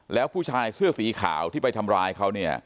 แล้วผู้ชายเสื้อสีขาวที่ไปทำร้ายเขาเนี่ย